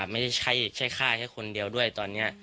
ไม่ใช่แค่คนเดียวด้วยตอนนี้